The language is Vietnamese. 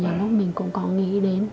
nhà bác mình cũng có nghĩ đến